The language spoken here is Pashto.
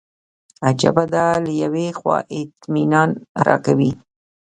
عجیبه ده له یوې خوا اطمینان راکوي.